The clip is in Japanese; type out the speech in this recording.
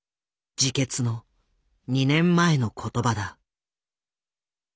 自決の２年前の言葉だ。